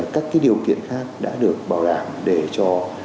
các điều kiện khác đã được bảo đảm để cho